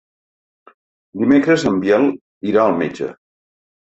Dimecres en Biel irà al metge.